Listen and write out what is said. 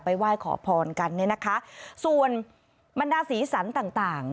ไปไหว้ขอพรกันนะนะคะส่วนบรรดาศีสันต่าง